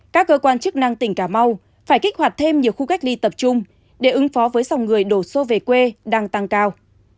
các cơ quan chức năng tỉnh cà mau phải kích hoạt thêm nhiều khu cách ly tập trung để ứng phó với dòng người đổ xô về quê đang tăng cao